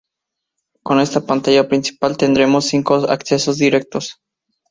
Con esta pantalla principal tendremos cinco accesos directos.